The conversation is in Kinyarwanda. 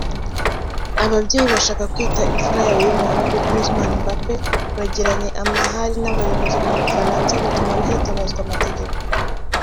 Ababyeyi bashaka kwita imfura yabo y’umuhungu ’Griezmann Mbappé’ bagiranye amahari n’abayobozi mu Bufaransa bituma hitabazwa amategeko